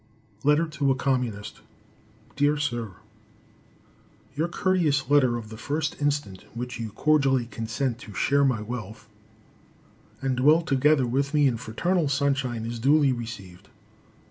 Letter to a Communist. Dear Sir. Your courteous letter of the 1st instant, in which you cordially consent to share my wealth and dwell together with me in fraternal sunshine, is duly received.